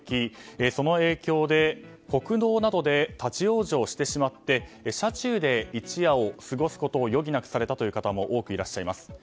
その影響で国道などで立ち往生してしまって車中で一夜を過ごすことを余儀なくされたという方も多くいらっしゃいます。